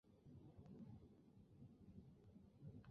里斯本澳门联络处名称及组织的变更。